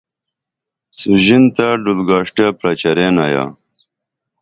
سوژین تہ ڈُل گاݜٹیہ پرچریئن آیا